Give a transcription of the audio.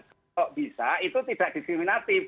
kalau bisa itu tidak diskriminatif